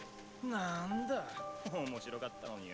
なんだ面白かったのによぉ。